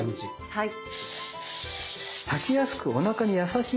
はい。